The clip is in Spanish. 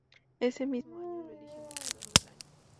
Ese mismo año lo eligen boxeador del año.